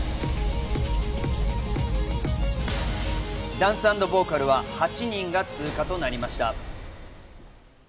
ダンス＆ボーカルは８人が通過となりました。